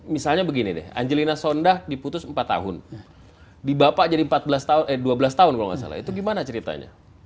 misalnya begini nih angelina sondag diputus empat tahun dibapak jadi dua belas tahun kalau nggak salah itu gimana ceritanya